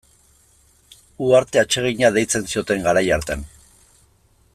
Uharte atsegina deitzen zioten garai hartan.